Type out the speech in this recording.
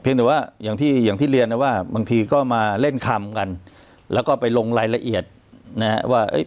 เพียงแต่ว่าอย่างที่เรียนนะว่าบางทีก็มาเล่นคำกันแล้วก็ไปลงรายละเอียดนะครับ